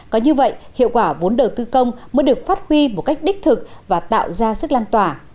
có như vậy hiệu quả vốn đầu tư công mới được phát huy một cách đích thực và tạo ra sức lan tỏa